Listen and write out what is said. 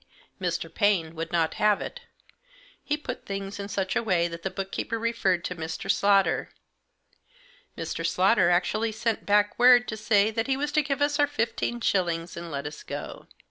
Mr. Paine would not have it. He put things in such a way that the book keeper referred to Mr. Slaughter. Mr. Slaughter actually sent back word to say that he was to give us our fifteen shillings and let us go.